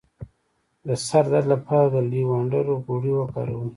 د سر درد لپاره د لیوانډر غوړي وکاروئ